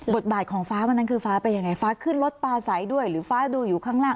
บาทของฟ้าวันนั้นคือฟ้าเป็นยังไงฟ้าขึ้นรถปลาใสด้วยหรือฟ้าดูอยู่ข้างล่าง